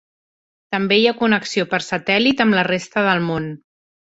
També hi ha connexió per satèl·lit amb la resta de món.